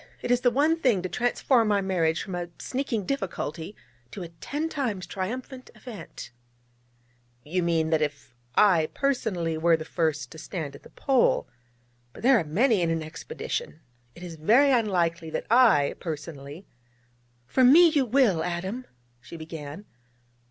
It is the one thing to transform our marriage from a sneaking difficulty to a ten times triumphant event.' 'You mean if I personally were the first to stand at the Pole. But there are many in an expedition. It is very unlikely that I, personally ' 'For me you will, Adam ' she began.